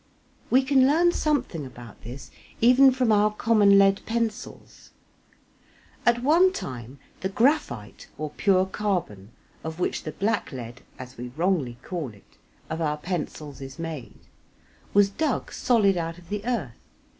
We can learn something about this even from our common lead pencils. At one time the graphite or pure carbon, of which the blacklead (as we wrongly call it) of our pencils is made, was dug solid out of the earth.